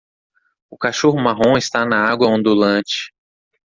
O cachorro marrom está na água ondulante.